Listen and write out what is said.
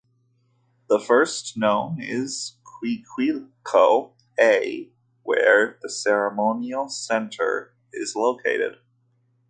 The first is known as Cuicuilco A, where the ceremonial center is located.